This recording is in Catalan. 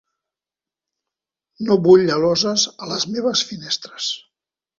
"No vull aloses a les meves finestres."